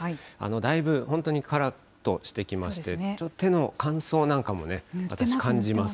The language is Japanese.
だいぶ本当にからっとしてきまして、手の乾燥なんかもね、私、感じます。